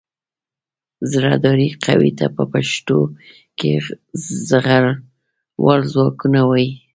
زرهدارې قوې ته په پښتو کې زغروال ځواکونه وايي.